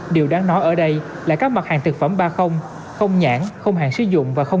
điều đáng nói ở đây là các mặt hàng thực phẩm ba không nhãn không hàng sử dụng và không